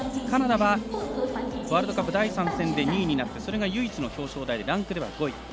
カナダはワールドカップ第３戦で２位になってそれが唯一の表彰台でランクでは５位。